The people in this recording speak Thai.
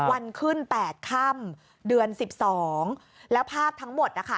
วันขึ้น๘ค่ำเดือน๑๒แล้วภาพทั้งหมดนะคะ